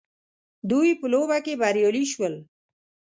دوی په لوبه کي بريالي سول